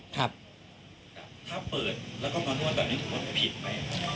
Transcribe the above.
ถ้าเปิดแล้วก็มานวดแบบนี้ถูกว่าผิดไหม